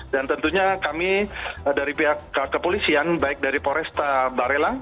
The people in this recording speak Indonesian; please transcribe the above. dan tentunya kami dari pihak kepolisian baik dari poresta barelang